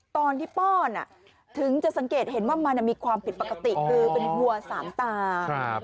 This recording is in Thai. ตอนที่ป้อนถึงจะสังเกตเห็นว่ามันมีความผิดปกติคือเป็นวัวสามตา